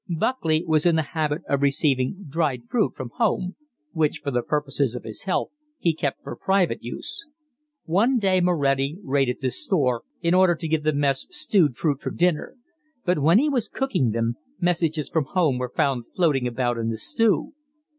Buckley was in the habit of receiving dried fruit from home, which, for purposes of his health, he kept for private use. One day Moretti raided this store, in order to give the mess stewed fruit for dinner, but, when he was cooking them, messages from home were found floating about in the stew.